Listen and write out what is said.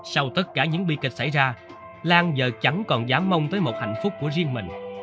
sau tất cả những bi kịch xảy ra lan giờ chẳng còn dám mong tới một hạnh phúc của riêng mình